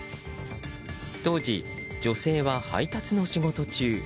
当時、女性は配達の仕事中。